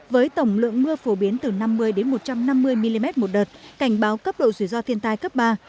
với tổng lượng mưa phổ biến từ năm mươi một trăm năm mươi mm một đợt cảnh báo cấp độ rủi ro thiên tai cấp ba